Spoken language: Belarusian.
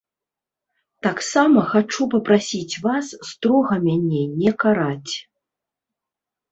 Таксама хачу папрасіць вас строга мяне не караць.